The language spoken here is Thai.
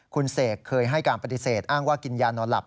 คุณเสกเคยให้การปฏิเสธอ้างว่ากินยานอนหลับ